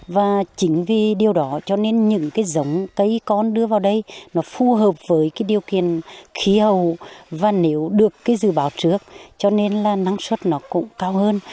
và chính vì điều đó cho nên những giống cây con đưa vào đây nó phù hợp với điều kiện khí hậu và nếu được dư bảo trước cho nên là năng suất nó cũng cao hơn